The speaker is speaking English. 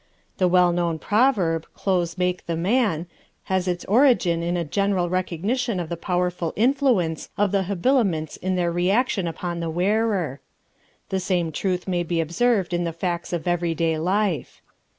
The well known proverb, "Clothes make the man" has its origin in a general recognition of the powerful influence of the habiliments in their reaction upon the wearer. The same truth may be observed in the facts of everyday life.